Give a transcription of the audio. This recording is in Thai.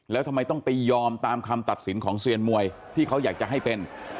แล้วทำไมต้องไปยอมตามคำตัดสินของเซียนมวยที่เขาอยากจะให้เป็น